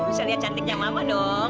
bisa lihat cantiknya mama dong